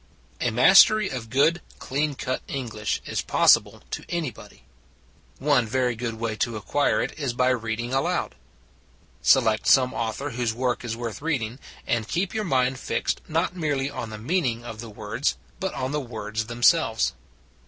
A mastery of good, clean cut English is possible to anybody. One very good way to acquire it is by reading aloud. Select some author whose work is worth reading, and keep your mind fixed not merely on the meaning of the words but on the words themselves.